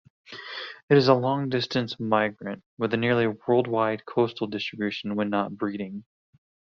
It is a long-distance migrant, with a nearly worldwide coastal distribution when not breeding.